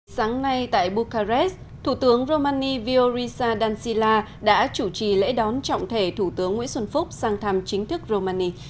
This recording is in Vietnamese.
sáng nay tại bucharest thủ tướng romani viorisa dancila đã chủ trì lễ đón trọng thể thủ tướng nguyễn xuân phúc sang thăm chính thức romani